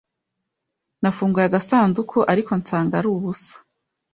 Nafunguye agasanduku, ariko nsanga ari ubusa.